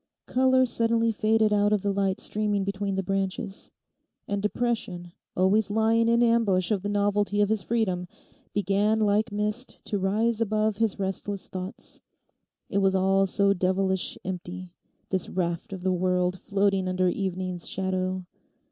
Colour suddenly faded out of the light streaming between the branches. And depression, always lying in ambush of the novelty of his freedom, began like mist to rise above his restless thoughts. It was all so devilish empty—this raft of the world floating under evening's shadow.